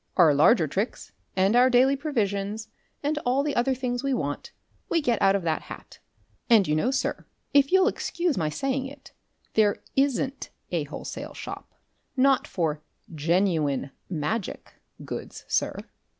Our larger tricks, and our daily provisions and all the other things we want, we get out of that hat... And you know, sir, if you'll excuse my saying it, there ISN'T a wholesale shop, not for Genuine Magic goods, sir.